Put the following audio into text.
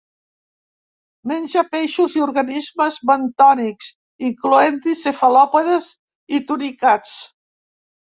Menja peixos i organismes bentònics, incloent-hi cefalòpodes i tunicats.